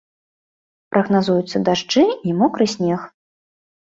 Прагназуюцца дажджы і мокры снег.